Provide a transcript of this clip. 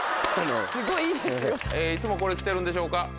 いつもこれ着てるんでしょうか？